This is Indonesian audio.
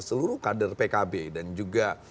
seluruh kader pkb dan juga